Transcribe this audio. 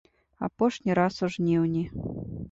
Апошні раз у жніўні.